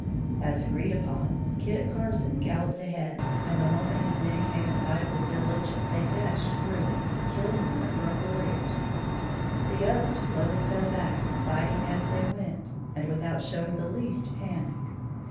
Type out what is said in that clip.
As agreed upon, Kit Carson galloped ahead, and the moment his men came in sight of the village, they dashed through it, killing a number of warriors. The others slowly fell back, fighting as they went, and without showing the least panic.